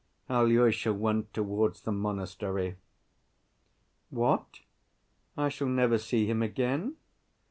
Alyosha went towards the monastery. "What? I shall never see him again!